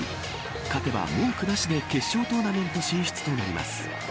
勝てば文句なしで決勝トーナメント進出となります。